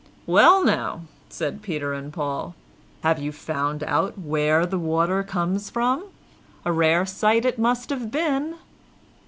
"Well, now," said Peter and Paul, "have you found out where the water comes from? A rare sight it must have been!"